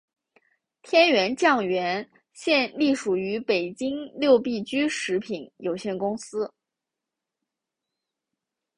天源酱园现隶属于北京六必居食品有限公司。